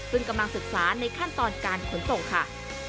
ซึ่งกำลังศึกษาในขั้นตอนการขนส่งค่ะ